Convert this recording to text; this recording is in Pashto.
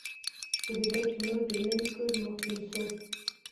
پوهېدی چي نور د نوي کور مقیم سو